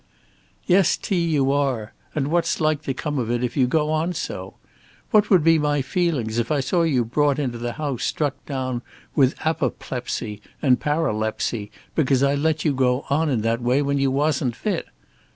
"Yes, T., you are; and what's like to come of it if you go on so? What would be my feelings if I saw you brought into the house struck down with apoplepsy and paralepsy because I let you go on in that way when you wasn't fit?